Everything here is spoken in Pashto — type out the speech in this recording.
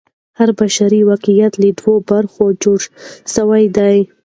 هر بشري واقعیت له دوو برخو جوړ سوی دی.